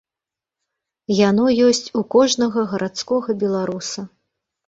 Яно ёсць у кожнага гарадскога беларуса.